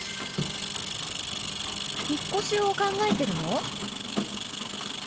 引っ越しを考えてるの？